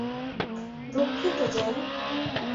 দুঃখিত, জেন।